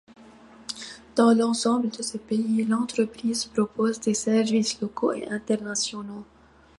Dans l’ensemble de ces pays, l'entreprise propose des services locaux et internationaux.